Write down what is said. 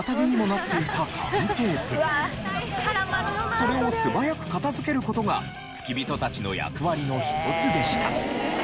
それを素早く片付ける事が付き人たちの役割の一つでした。